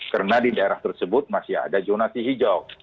karena di daerah tersebut masih ada zonasi hijau